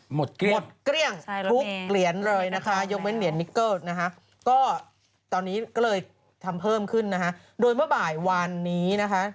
หมดเกลี้ยงทุกเหรียญเลยนะคะยกเป็นเหรียญมิกเกิ้ลนะคะโดยเมื่อบ่ายวานนี้นะคะ